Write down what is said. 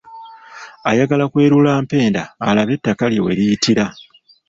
Ayagala kwerula mpenda alabe ettaka lye we liyitira.